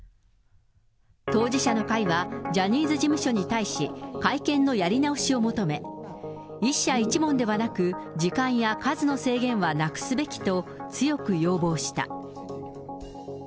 当事者の会は、ジャニーズ事務所に対し、会見のやり直しを求め、１社１問ではなく、時間や数の制限はなくすべきと強く要望した。